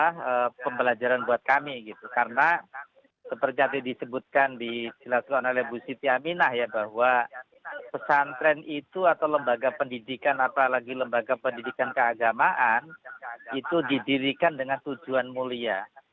ini juga pembelajaran buat kami karena seperti yang disebutkan di jelas jelas oleh bu siti aminah ya bahwa pesantren itu atau lembaga pendidikan apalagi lembaga pendidikan keagamaan itu didirikan dengan tujuan mulia